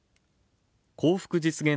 幸福実現